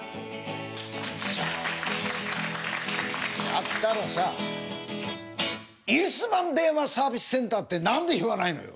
だったらさ「居留守番電話サービスセンター」って何で言わないのよ。